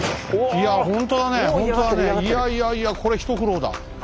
いやいやいやこれ一苦労だ。